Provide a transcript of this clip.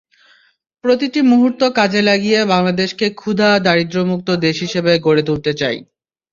প্রতিটি মুহূর্ত কাজে লাগিয়ে বাংলাদেশকে ক্ষুধা, দারিদ্র্যমুক্ত দেশ হিসেবে গড়ে তুলতে চাই।